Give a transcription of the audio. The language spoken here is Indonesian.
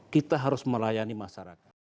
kita harus melayani masyarakat